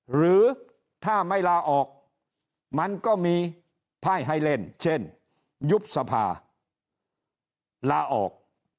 หรือถ้าไม่ลาออกมันก็มีไพ่ให้เล่นเช่นยุบสภาลาออก